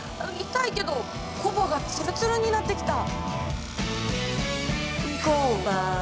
痛いけどコバがつるつるになってきた！